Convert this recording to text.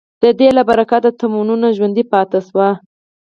د دې له برکته تمدنونه ژوندي پاتې شوي.